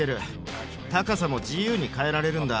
高さも自由に変えられるんだ。